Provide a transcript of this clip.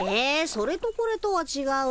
それとこれとはちがうよ。